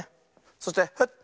そしてフッ。